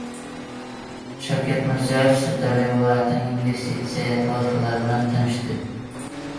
Shavkat Mirziyoyev Sirdaryo viloyatining investitsiya loyihalari bilan tanishdi